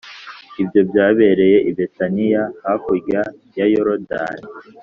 Ibyo byabereye i Betaniya hakurya ya Yorodani